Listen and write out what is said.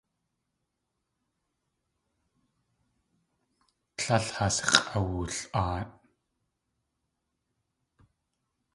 Tlél has x̲ʼawul.aat.